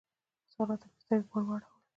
سارا ته مې سترګې ور واړولې.